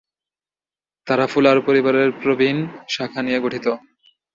তারা ফুলার পরিবারের প্রবীণ শাখা নিয়ে গঠিত।